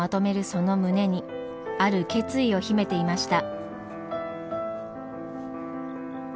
その胸にある決意を秘めていました。